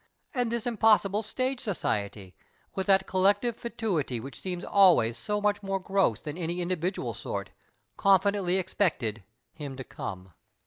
And this impossible Stage Society, with that collective fatuity which seems always so much more gross than any individual sort, " confidently expected " him to come